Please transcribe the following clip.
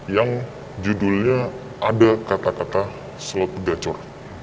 yang judulnya ada kata kata slot dacor